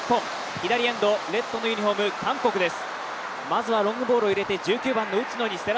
左エンド、レッドのユニフォーム韓国です。